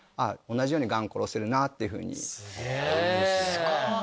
すごい！